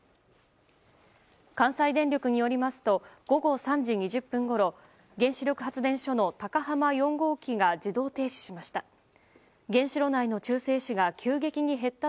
関西電力によりますと午後３時２０分ごろ原子力発電所の高浜４号機が自動停止しました。